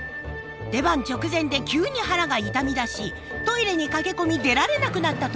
出番直前で急に腹が痛みだしトイレに駆け込み出られなくなったというのです。